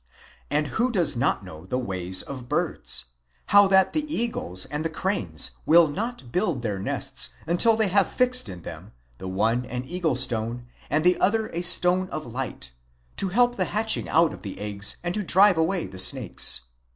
And who does not know the ways of birds, how that the eagles and the cranes will not build their nests until they have fixed in them, the one an eagle stone, and the other a stone of light, to help the hatching out of the eggs and to drive away the snakes.